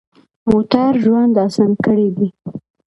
موټر ژوند اسان کړی دی.